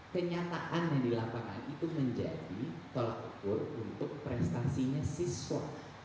kenyataan yang di lapangan itu menjadi tolak ukur untuk prestasinya siswa